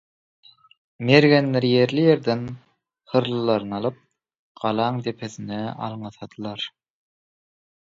Mergenler ýerli-ýerden hyrlylaryny alyp, galaň depesine alňasadylar.